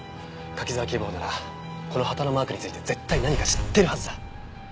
柿沢警部補ならこの旗のマークについて絶対何か知ってるはずだ。